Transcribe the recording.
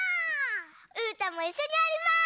うーたんもいっしょにやります！